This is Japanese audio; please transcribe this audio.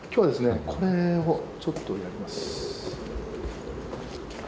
これをちょっとやります。